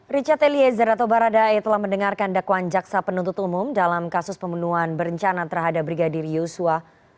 richard eliezer atau baradae telah mendengarkan dakwaan jaksa penuntut umum dalam kasus pembunuhan berencana terhadap brigadir yosua